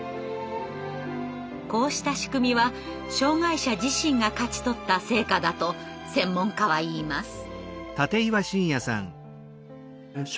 こうした仕組みは障害者自身が勝ち取った成果だと専門家はいいます。